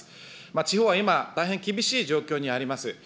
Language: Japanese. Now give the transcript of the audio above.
地方は今、大変厳しい状況にあります。